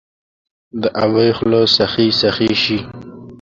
د ابۍ خوله سخي، سخي شي